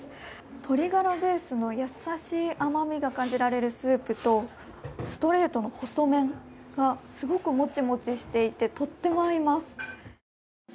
鶏ガラベースの優しい甘みが感じられるスープとストレートの細麺がすごくモチモチしていて、とっても合います。